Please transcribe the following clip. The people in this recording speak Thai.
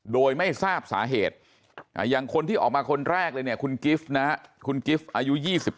โดยไม่ทราบสาเหตุอย่างคนที่ออกมาคนแรกเลยเนี่ยคุณกิฟต์นะฮะคุณกิฟต์อายุ๒๙